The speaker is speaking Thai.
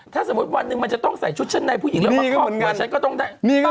ถ้าสมมติวันนึงมันจะต้องใส่ชุดชั้นในผู้หญิงแล้วมาขอบ